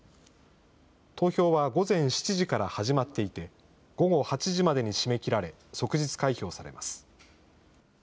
投票は午前７時から始まっていて、午後８時までに締め切られ、即日開票されます。